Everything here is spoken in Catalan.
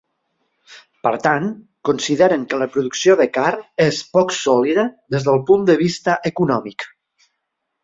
Per tant, consideren que la producció de carn és poc sòlida des del punt de vista econòmic.